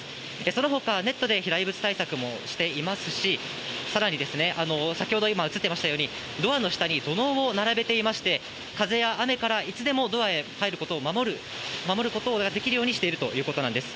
そのほか、ネットで飛来物対策もしていますし、さらに先ほど今映っていましたように、ドアの下に土のうを並べていまして、風や雨からいつでもドアへ入ることを守ることができるようにしているということなんです。